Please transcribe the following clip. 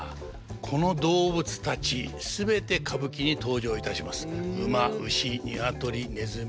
この動物たち全て歌舞伎に登場いたします。